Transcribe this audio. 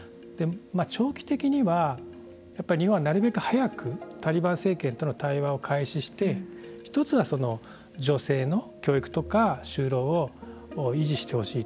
長期的にはやっぱり日本はなるべく早くタリバン政権との対話を開始して一つは女性の教育とか就労を維持してほしいと。